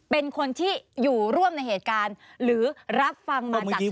เป็นคนที่อยู่ร่วมในเหตุการณ์หรือรับฟังมาจาก